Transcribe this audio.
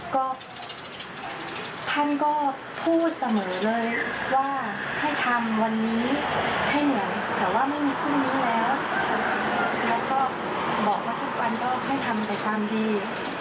ก็ท่านก็พูดเสมอเลยว่าให้ทำวันนี้ให้เหนื่อยแต่ว่าไม่มีพรุ่งนี้แล้วแล้วก็บอกว่าทุกวันก็ให้ทำแต่ตามดี